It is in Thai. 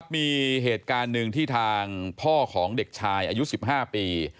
มีเหตุการณ์หนึ่งที่ทางพ่อของเด็กชายอายุ๑๕ปี